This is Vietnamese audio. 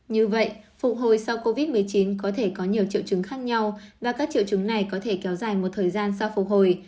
như vậy phục hồi sau covid một mươi chín có thể có nhiều triệu chứng khác nhau và các triệu chứng này có thể kéo dài một thời gian sau phục hồi